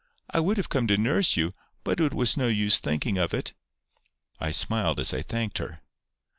I would have come to nurse you, but it was no use thinking of it." I smiled as I thanked her.